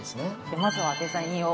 まずはデザインを。